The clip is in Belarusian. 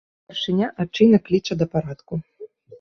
Старшыня адчайна кліча да парадку.